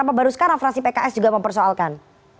apa baru sekarang fraksi pks juga mempersoalkan